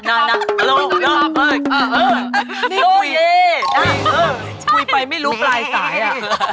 อ้าวนี่คุยคุยไปไม่รู้รายสายอะ